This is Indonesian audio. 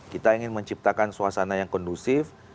kita ingin menciptakan suasana yang kondusif